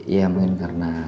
ya mungkin karena